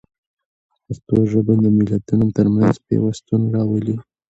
پښتو ژبه د ملتونو ترمنځ پیوستون راولي.